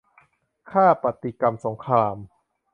ค่าปฏิกรรมสงคราม